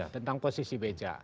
tentang posisi beca